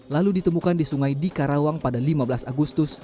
lalu ditemukan di sungai dikarawang pada lima belas agustus